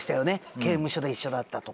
刑務所で一緒だったとか。